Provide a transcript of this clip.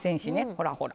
ほらほら。